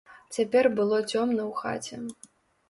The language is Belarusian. Цяпер было цёмна ў хаце.